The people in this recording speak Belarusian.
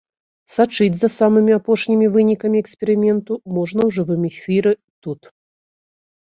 Сачыць за самымі апошнімі вынікамі эксперыменту можна ў жывым эфіры тут.